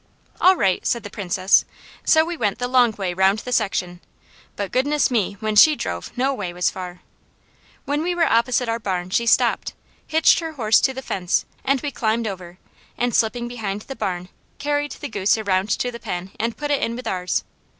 "All right!" said the Princess, so we went the long way round the section, but goodness me! when she drove no way was far. When we were opposite our barn she stopped, hitched her horse to the fence, and we climbed over, and slipping behind the barn, carried the goose around to the pen and put it in with ours.